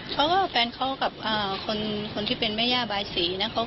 เพราะว่าแฟนเขากับคนที่เป็นแม่ญาบายสี